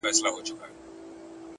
ستا وه ځوانۍ ته دي لوگى سمه زه؛